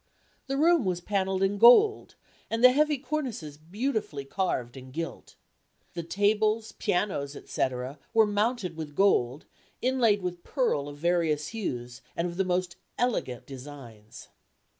The room was panelled in gold, and the heavy cornices beautifully carved and gilt. The tables, pianos, etc., were mounted with gold, inlaid with pearl of various hues, and of the most elegant designs.